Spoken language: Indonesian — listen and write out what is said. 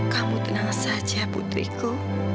kamu tenang saja putriku